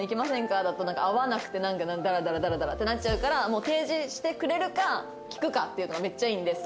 だと合わなくてなんかダラダラダラダラってなっちゃうから提示してくれるか聞くかっていうのがめっちゃいいんです。